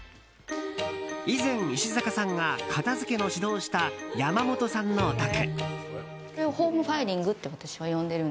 以前、石阪さんが片付けの指導をした山本さんのお宅。